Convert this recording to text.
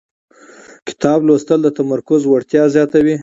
کتاب لوستل د تمرکز وړتیا زیاتوي